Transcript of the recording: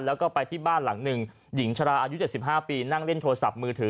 แล้วก็ไปที่บ้านหลังหนึ่งหญิงชราอายุ๗๕ปีนั่งเล่นโทรศัพท์มือถือ